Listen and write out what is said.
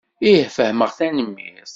Ih, fehmeɣ. Tanemmirt.